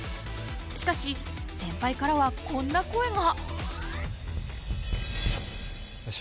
しかしセンパイからはこんな声が。